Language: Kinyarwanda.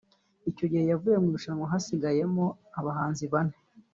icyo gihe yavuye mu irushanwa hasigaramo abahanzi bane